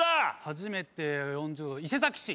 初めて４０度伊勢崎市。